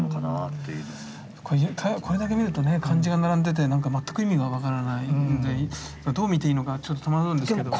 これだけ見るとね漢字が並んでてなんか全く意味が分からないのでどう見ていいのかちょっと戸惑うんですけど。